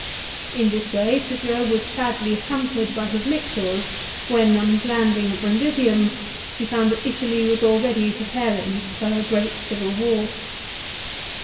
In this way Cicero was sadly hampered by his lictors when on his landing at Brundisium he found that Italy was already preparing for her great civil war.